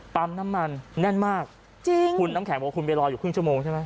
ปั๊มน้ำมันแน่นมากจริงคุณน้ำแข็งบอกคุณไปรออยู่ครึ่งชั่วโมงใช่ไหม